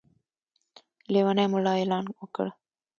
لېونی ملا اعلان وکړ.